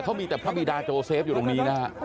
เขามีแต่พระบิดาโจเซฟอยู่ตรงนี้นะฮะ